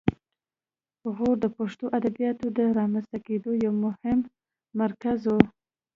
غور د پښتو ادبیاتو د رامنځته کیدو یو ډېر مهم مرکز و